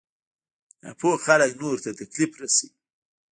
ناپوه خلک نورو ته تکليف رسوي.